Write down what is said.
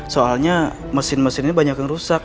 soalnya mesin mesin ini banyak yang rusak